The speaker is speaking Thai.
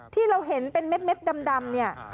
ที่เราเห็นเป็นเม็ดดำเนี่ย